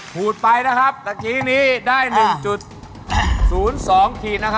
ถูกไปนะครับตะกี้นี้ได้๑๐๒กิโลกรัม